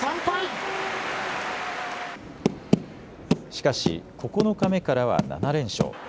しかし９日目からは７連勝。